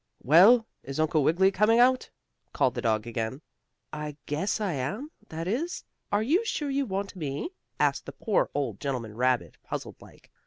"Well, is Uncle Wiggily coming out?" called the dog again. "I guess I am that is are you sure you want me?" asked the poor old gentleman rabbit, puzzled like.